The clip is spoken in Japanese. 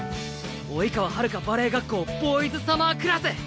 「生川はるかバレエ学校Ｂｏｙｓサマークラス」。